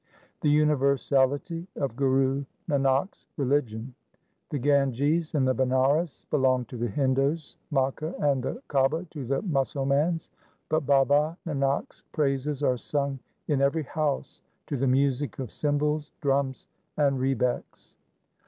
4 The universality of Guru Nanak's religion :— The Ganges and Banaras belong to the Hindus, Makka and the Kaaba to the Musalmans, but Baba Nanak's praises are sung in every house to the music of cymbals, drums, and rebecks.